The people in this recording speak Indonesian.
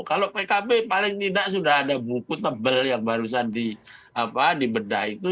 kalau pkb paling tidak sudah ada buku tebel yang barusan dibedah itu